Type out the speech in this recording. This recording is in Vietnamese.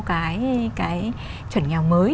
cái chuẩn nghèo mới